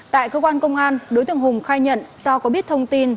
tại cơ quan công an đối tượng hùng khai nhận do có biết thông tin